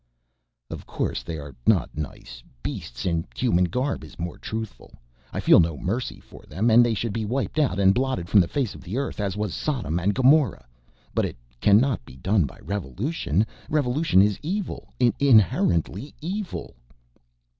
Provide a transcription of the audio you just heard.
"Of course they are not nice, beasts in human garb is more truthful. I feel no mercy for them and they should be wiped out and blotted from the face of the earth as was Sodom and Gomorrah. But it cannot be done by revolution, revolution is evil, inherently evil."